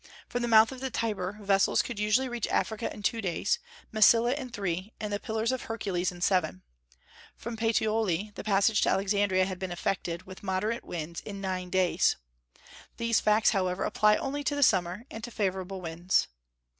From the mouth of the Tiber vessels could usually reach Africa in two days, Massilia in three, and the Pillars of Hercules in seven; from Puteoli the passage to Alexandria had been effected, with moderate winds, in nine days. These facts, however, apply only to the summer, and to favorable winds.